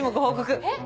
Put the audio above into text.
えっ！